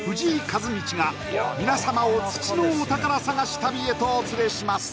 一至が皆様を土のお宝探し旅へとお連れします